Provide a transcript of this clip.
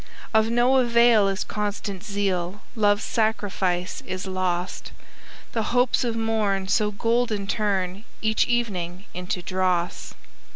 "Of no avail is constant zeal, Love's sacrifice is lost. The hopes of morn, so golden, turn, Each evening, into dross.